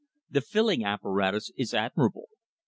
The filling apparatus is admirable.